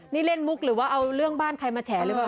นี่เล่นมุกหรือว่าเอาเรื่องบ้านใครมาแฉหรือเปล่า